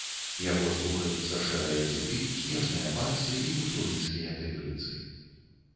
Яго слухаюцца шэрыя кіты, снежныя барсы і ўсурыйскія тыгрыцы.